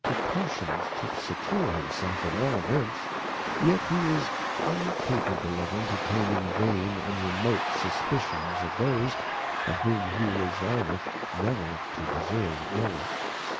59 precautions to secure himself in all Events, yet he is uncapable of entertaining vain and remote suspicions of those, of whom he resolveth never to deserve ill.